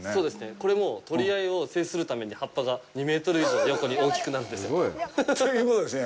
これも、取り合いを制するために葉っぱが２メートル以上横に大きくなるんですよ。ということですね。